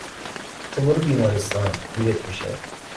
تو برو بیمارستان! دیرت میشه